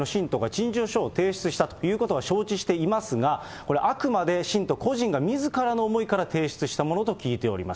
当教会の信徒が陳情書を提出したということは承知していますが、これ、あくまで信徒個人が、みずからの思いから提出したものと聞いております。